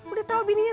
udah tau bininya